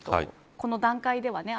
この段階ではね。